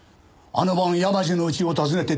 あの晩山路の家を訪ねて。